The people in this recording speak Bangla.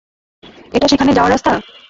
এটা সেখানে যাওয়ার রাস্তা?